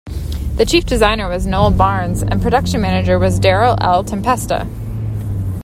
The Chief Designer was Noel Barnes and Production Manager was Daryl L Tempesta.